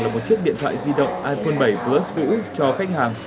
là một chiếc điện thoại di động iphone bảy plus cũ cho khách hàng